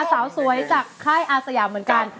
สาวสวยจากค่ายอาสยามเหมือนกัน